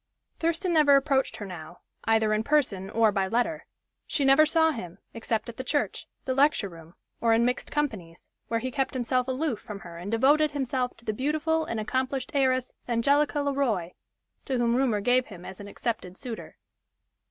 Thurston never approached her now, either in person or by letter. She never saw him, except at the church, the lecture room, or in mixed companies, where he kept himself aloof from her and devoted himself to the beautiful and accomplished heiress Angelica Le Roy, to whom rumor gave him as an accepted suitor.